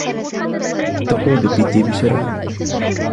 تقود بتي بسرعة.